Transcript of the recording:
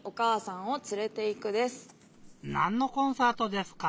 なんのコンサートですか？